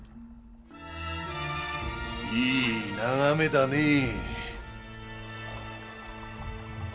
いい眺めだねえ。